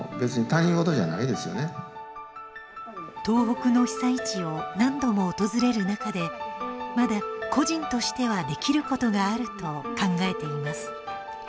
東北の被災地を何度も訪れる中でまだ個人としてはできることがあると考えています。